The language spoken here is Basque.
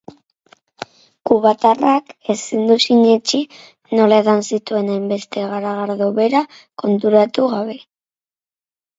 Kubatarrak ezin du sinetsi nola edan zituen hainbeste garagardo bera konturatu gabe.